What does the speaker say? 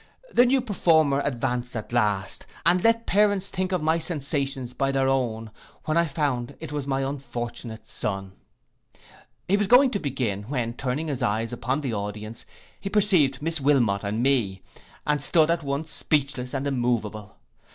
The new performer advanced at last, and let parents think of my sensations by their own, when I found it was my unfortunate son. He was going to begin, when, turning his eyes upon the audience, he perceived Miss Wilmot and me, and stood at once speechless and immoveable.